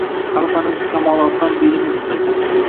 Hali hanuz kamolotdan berimiz biz